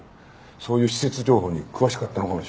そういう施設情報に詳しかったのかもしれん。